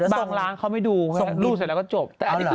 บางฝั่งเขาไม่ดูส่งกินลูดเสร็จแล้วก็จบ